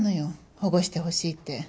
保護してほしいって。